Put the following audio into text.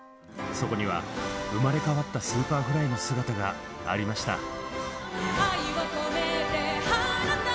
そこには生まれ変わったＳｕｐｅｒｆｌｙの姿がありました。